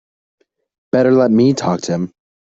Better let me talk to him.